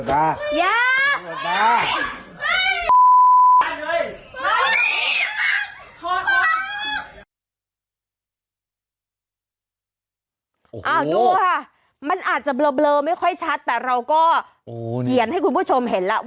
ดูค่ะมันอาจจะเบลอไม่ค่อยชัดแต่เราก็เขียนให้คุณผู้ชมเห็นแล้ว